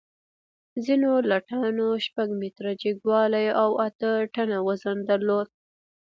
ځینو لټانو شپږ متره جګوالی او اته ټنه وزن درلود.